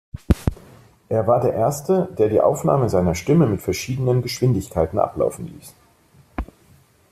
Er war der erste, der die Aufnahme seiner Stimme mit verschiedenen Geschwindigkeiten ablaufen ließ.